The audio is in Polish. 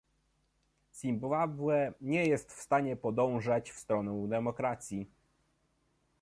Zimbabwe nie jest w stanie podążać w stronę demokracji